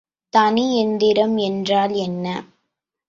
தனி எந்திரம் என்றால் என்ன?